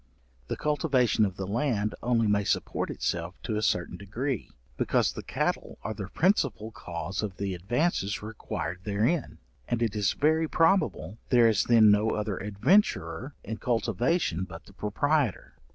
The cultivation of the land only may support itself to a certain degree, because the cattle are the principal cause of the advances required therein, and it is very probable, there is then no other adventurer in cultivation but the proprietor.